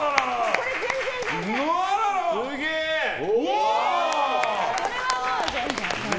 これはもう全然。